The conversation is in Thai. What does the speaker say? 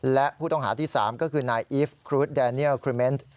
และผู้ต้องหาที่๓ก็คือนายอีฟครูดแดเนียลครูเมนต์